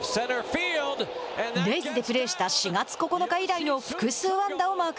レイズでプレーした４月９日以来の複数安打をマーク。